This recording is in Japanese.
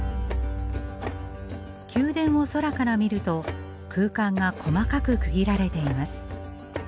宮殿を空から見ると空間が細かく区切られています。